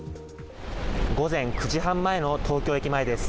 午前９時半前の東京駅前です。